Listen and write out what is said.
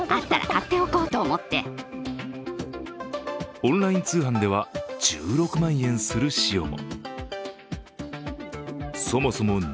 オンライン通販では１６万円する塩も。